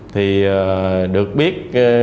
thì được biết